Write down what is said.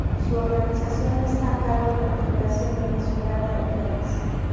Su organización está a cargo de la Federación Venezolana de Tenis.